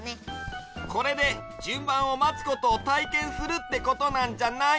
これでじゅんばんをまつことをたいけんするってことなんじゃない？